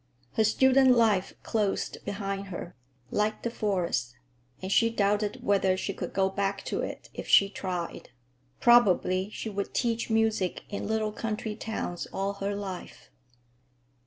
Her student life closed behind her, like the forest, and she doubted whether she could go back to it if she tried. Probably she would teach music in little country towns all her life.